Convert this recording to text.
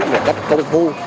một cách công thu